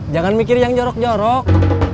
jangan mikir yang jorok jorok